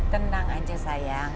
tenang aja sayang